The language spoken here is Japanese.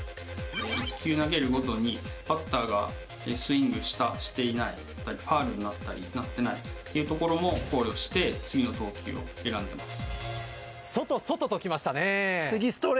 １球投げるごとにバッターがスイングしたしていないファウルになったりなってないというところも考慮して次の投球を選んでます。